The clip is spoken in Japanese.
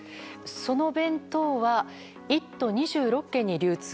その弁当は１都２６県に流通。